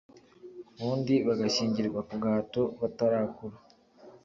ubundi bagashyingirwa ku gahato batarakura